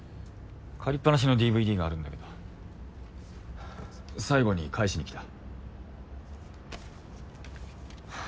借りっぱなしのＤＶＤがあるんだけど最後に返しに来た。